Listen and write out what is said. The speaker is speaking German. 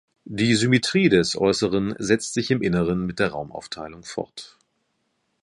Die Symmetrie des Äußeren setzt sich im Inneren mit der Raumaufteilung fort.